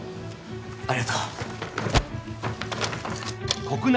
ありがとう・国内